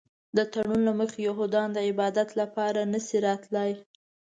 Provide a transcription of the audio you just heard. د تړون له مخې یهودان د عبادت لپاره نه شي راتلی.